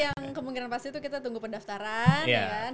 yang kemungkinan pasti itu kita tunggu pendaftaran